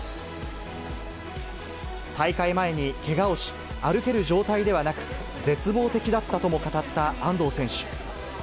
大会前にけがをし、歩ける状態ではなく、絶望的だったとも語った安藤選手。